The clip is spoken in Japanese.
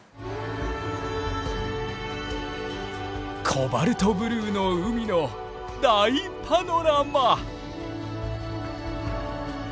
コバルトブルーの海の大パノラマ！